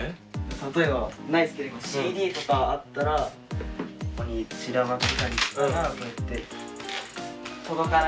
例えばないですけど今ＣＤとかあったらここに散らばってたりしたらこうやって。